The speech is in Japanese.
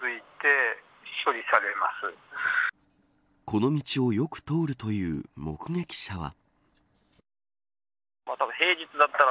この道をよく通るという目撃者は。